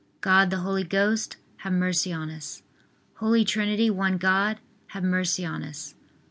God the Holy Ghost, have mercy on us. Holy Trinity, one God, have mercy on us.